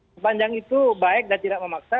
sepanjang itu baik dan tidak memaksa